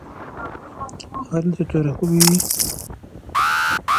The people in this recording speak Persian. شکافتن